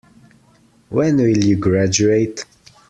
When will you graduate?